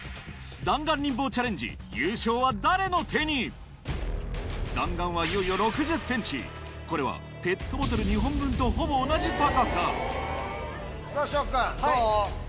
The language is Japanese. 弾丸リンボーチャレンジ優勝は誰の手に⁉弾丸はいよいよこれはペットボトル２本分とほぼ同じ高さ紫耀君どう？